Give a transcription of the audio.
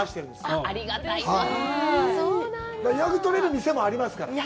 予約取れるお店もありますから。